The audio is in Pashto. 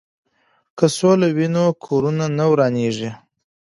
که سوله وي نو کورونه نه ورانیږي.